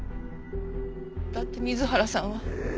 だって水原さんは。